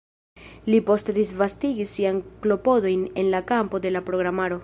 Li poste disvastigis siajn klopodojn en la kampo de la programaro.